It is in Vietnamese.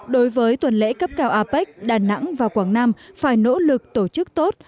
đối với tuần lễ cấp cao apec đà nẵng và quảng nam phải nỗ lực tổ chức tốt